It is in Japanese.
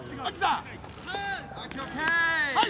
はい！